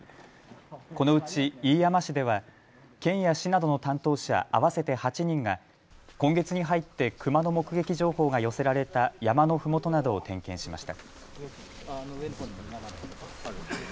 このうち飯山市では県や市などの担当者合わせて８人が今月に入ってクマの目撃情報が寄せられた山のふもとなどを点検しました。